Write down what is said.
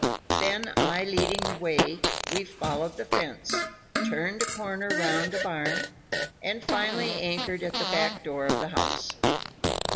Then I leading the way, we followed the fence, turned a corner round a barn, and finally anchored at the back door of the house.